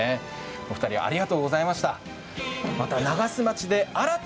お二人ありがとうございました。